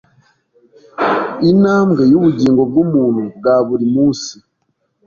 intambwe y'ubugingo bw'umuntu bwa buri munsi.